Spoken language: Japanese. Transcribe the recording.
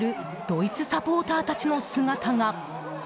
ドイツサポーターたちの姿が。